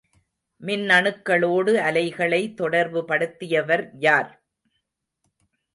மின்னணுக்களோடு அலைகளை தொடர்புபடுத்தியவர் யார்?